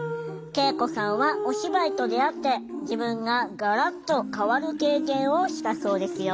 圭永子さんはお芝居と出会って自分がガラッと変わる経験をしたそうですよ。